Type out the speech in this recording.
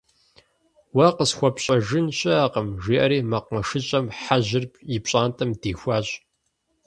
Уэ къысхуэпщӀэжын щыӀэкъым, - жиӀэри МэкъумэшыщӀэм Хьэжьыр ипщӀантӀэм дихуащ.